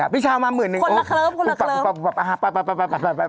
พี่เช้ามาหมื่นนึงโอ้โฮคนละเคิ๊บคนละเคิ๊บ